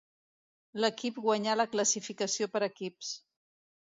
L'equip guanyà la classificació per equips.